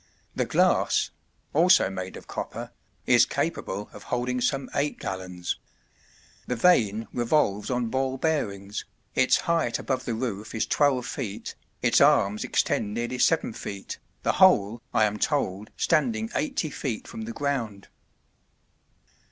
The glass also made of copper is capable of holding some eight gallons. The vane revolves on ball bearings, its height above the roof is 12 ft., its arms extend nearly 7 ft., the whole, I am told, standing 80 ft. from the ground.